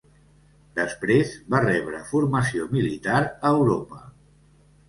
Després va rebre formació militar a Europa.